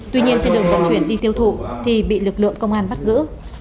tuy nhiên trên đường vận chuyển đi tiêu thụ thì bị lực lượng công an bắt giữ